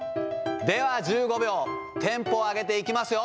では１５秒、テンポを上げていきますよ。